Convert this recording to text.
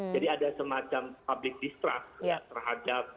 jadi ada semacam public distrust